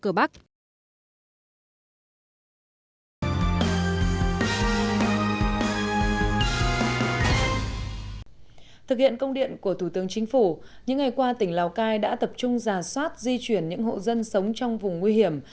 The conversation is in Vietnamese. thực hiện công điện của thủ tướng chính phủ những ngày qua tỉnh lào cai đã tập trung giả soát di chuyển những hộ dân sống trong vùng nguy hiểm